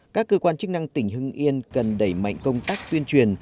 các cơ quan chức năng tỉnh hưng yên cần đẩy mạnh công tác tuyên truyền